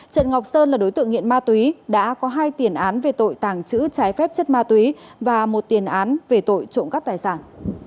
trần ngọc sơn là đối tượng nghiện ma túy đã có hai tiền án về tội tàng trữ trái phép chất ma túy và một tiền án về tội trộm cắp tài sản